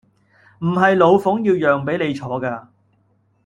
唔係老奉要讓坐比你㗎